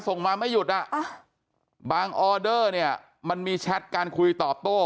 ส่งมาไม่หยุดอ่ะบางออเดอร์เนี่ยมันมีแชทการคุยตอบโต้